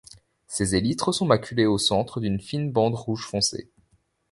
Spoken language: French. Ses élytres sont maculés au centre d'une fine bande rouge foncé.